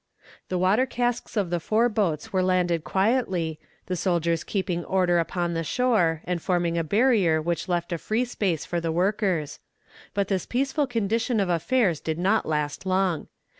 "The water casks of the four boats were landed quietly, the soldiers keeping order upon the shore, and forming a barrier which left a free space for the workers. But this peaceful condition of affairs did not last long.